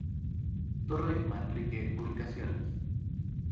Torre Manrique Publicaciones.